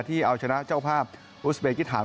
ที่เอาชนะเจ้าภาพอุสเบกิถาม